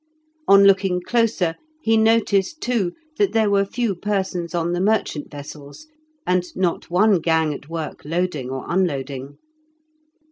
On looking closer he noticed, too, that there were few persons on the merchant vessels, and not one gang at work loading or unloading.